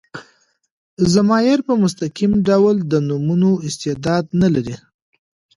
ضمایر په مستقیم ډول د نومونو استعداد نه لري.